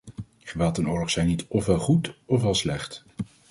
Geweld en oorlog zijn niet ofwel goed, ofwel slecht.